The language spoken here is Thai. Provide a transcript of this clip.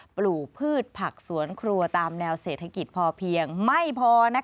ปลูกพืชผักสวนครัวตามแนวเศรษฐกิจพอเพียงไม่พอ